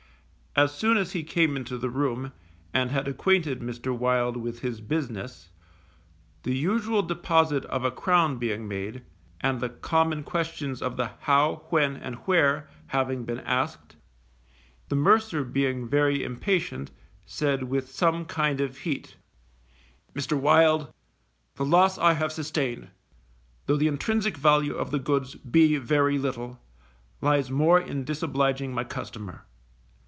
As soon as he came into the room, and had acquainted Mr. Wild with his business, the usual deposit of a crown being made, and the common questions of the how, when, and where, having been asked, the mercer being very impatient, said with some kind of heat, _Mr. Wild, the loss I have sustained, though the intrinsic value of the goods be very little, lies more in disobliging my customer.